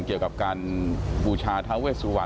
เกี่ยวกับการบูชาทาเวสวรร